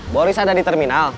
boris ada di terminal